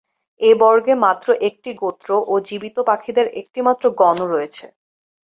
এ বর্গে মাত্র একটি গোত্র ও জীবিত পাখিদের একটিমাত্র গণ রয়েছে।